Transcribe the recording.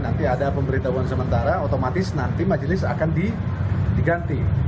nanti ada pemberitahuan sementara otomatis nanti majelis akan diganti